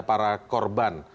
pada para korban